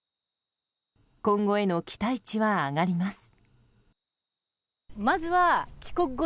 今後への期待値は上がります。